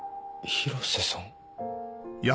広瀬さん。